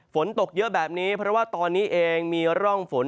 ฝนตกเยอะแบบนี้เพราะว่าตอนนี้เองมีร่องฝน